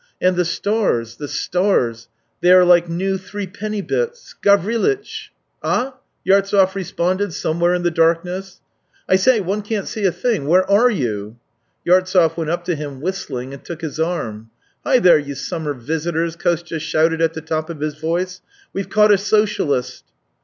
" And the stars, the stars, they are like new threepenny bits. Gavrilitch !"" Ah ?" Yartsev responded somewhere in the darkness. " I say, one can't see a thing. Where are you?" Yartsev went up to him whistling, and took his arm. " Hi, there, you summer visitors !" Kostya shouted at the top of his voice. " We've caught a socialist."